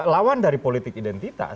lawan dari politik identitas